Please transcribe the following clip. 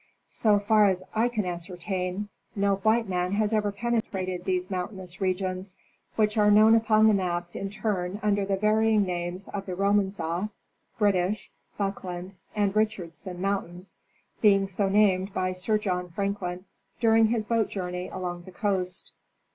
So far as I can ascertain, no white man has ever penetrated these mountainous regions, which are known upon the maps in turn under the varying names of the Romanzoff, British, Buckland and Richardson mountains, being so named by Sir John Franklin during his boat journey along the coast.